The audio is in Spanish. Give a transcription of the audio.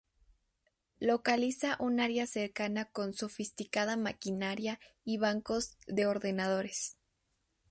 Localiza un área cercana con sofisticada maquinaria y bancos de ordenadores.